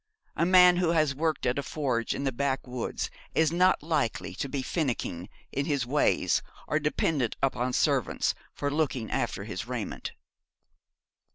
A man who has worked at a forge in the backwoods is not likely to be finicking in his ways, or dependent upon servants for looking after his raiment.